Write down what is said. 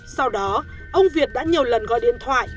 sau đó ông việt đã nhiều lần gọi điện thoại